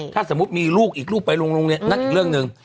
ถ้าสมมุติมีลูกอีกลูกไปโรงเรียนนั่นอีกเรื่องหนึ่ง